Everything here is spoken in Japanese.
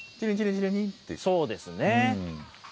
そうですね。